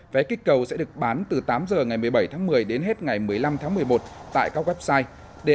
vé kích cầu sẽ được bán từ tám h ngày một mươi bảy tháng một mươi đến hết ngày một mươi năm tháng một mươi một tại các website